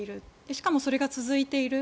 しかもそれが続いている。